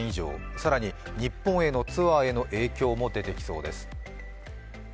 更に日本へのツアーへの影響も出てきそうです。